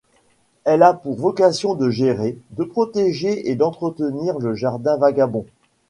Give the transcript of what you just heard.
Elle a pour vocation de gérer, de protéger et d’entretenir le Jardin Vagabond.